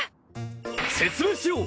説明しよう